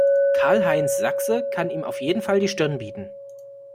Karl-Heinz Sachse kann ihm auf jeden Fall die Stirn bieten.